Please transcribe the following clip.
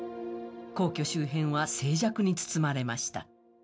皇居周辺は静寂に包まれました。